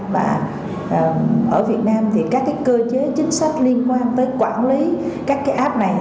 và ở việt nam thì các cái cơ chế chính sách liên quan tới quản lý các cái app này